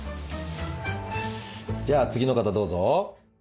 じゃあ次の方どうぞ。